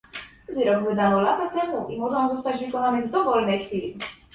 Wyrok wydano lata temu i może on zostać wykonany w dowolnej chwili